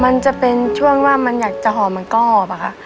มันจะเป็นช่วงว่ามันอยากจะห่อมันกรอบอะค่ะ